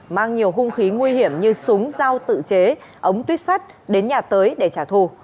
mang nhiều hung khí nguy hiểm như súng dao tự chế ống tuyếp sắt đến nhà tới để trả thù